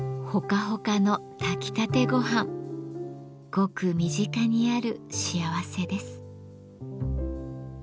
ごく身近にある幸せです。